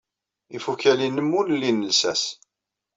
Ifukal-nnem ur lin llsas.